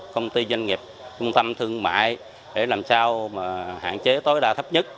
công ty doanh nghiệp trung tâm thương mại để làm sao mà hạn chế tối đa thấp nhất